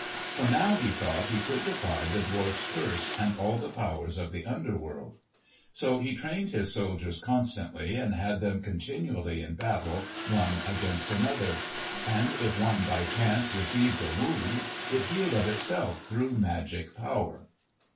For now, he thought, he could defy the dwarf's curse and all the powers of the underworld. So he trained his soldiers constantly, and had them continually in battle, one against another. And if one by chance received a wound it healed of itself through magic power.